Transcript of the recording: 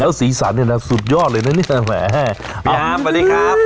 แล้วสีสันเนี้ยแหละสุดยอดเลยนะเนี้ยแม่พยายามสวัสดีครับ